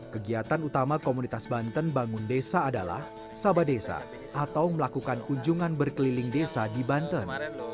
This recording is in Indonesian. kegiatan utama komunitas banten bangun desa adalah sabadesa atau melakukan kunjungan berkeliling desa di banten